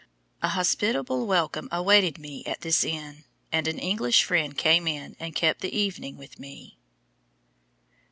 A hospitable welcome awaited me at this inn, and an English friend came in and spent the evening with me.